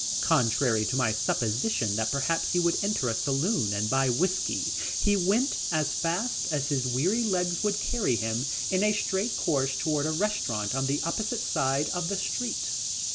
Contrary to my supposition that perhaps he would enter a saloon and buy whiskey he went as fast as his weary legs would carry him in a straight course toward a restaurant on the opposite side of the street.